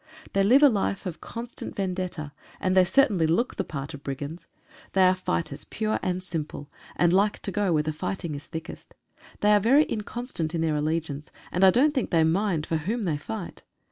They live a life of constant vendetta, and they certainly look the part of brigands. They are fighters pure and simple, and like to go where the fight is thickest. They are very inconstant in their allegiance, and I don't think they mind for whom they fight.